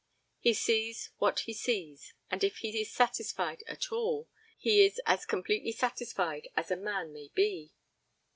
He sees what he sees and if he is satisfied at all he is as completely satisfied as a man may be.